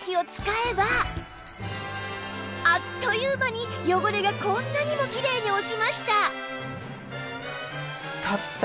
あっという間に汚れがこんなにもきれいに落ちました